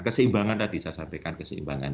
keseimbangan tadi saya sampaikan keseimbangan